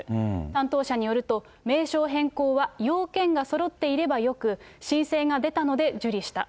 担当者によると、名称変更は要件がそろっていればよく、申請が出たので受理した。